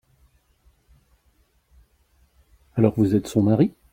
Alors, vous êtes son mari ?